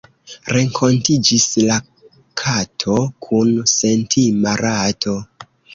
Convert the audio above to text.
Renkontiĝis la kato kun sentima rato.